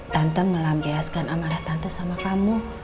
tante melampiaskan amarah tante sama kamu